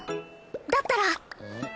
だったら！